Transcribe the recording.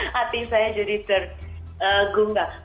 hati saya jadi tergunggah